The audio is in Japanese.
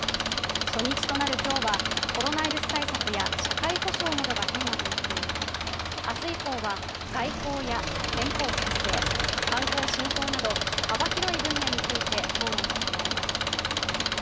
初日となる今日はコロナウイルス対策や社会保障などがテーマとなっており明日以降は外交や憲法改正、観光振興など幅広い分野について討論が行われます。